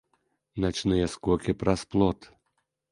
Начныя скокі праз плот.